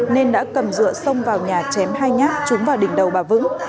nên đã cầm dựa xông vào nhà chém hai nhát trúng vào đỉnh đầu bà vững